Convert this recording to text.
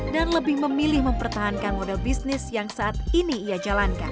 dan lebih memilih mempertahankan model bisnis yang saat ini ia jalankan